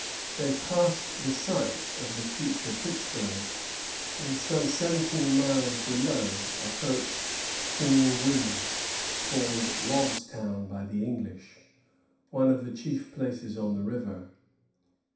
They passed the site of the future Pittsburg; and some seventeen miles below approached Chiningué, called Logstown by the English, one of the chief places on the river.